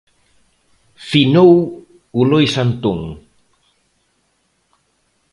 Finou o Lois Antón.